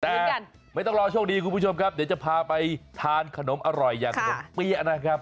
แต่ไม่ต้องรอโชคดีคุณผู้ชมครับเดี๋ยวจะพาไปทานขนมอร่อยอย่างขนมเปี๊ยะนะครับ